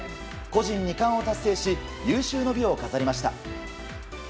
個人２冠を達成し有終の美を飾りました。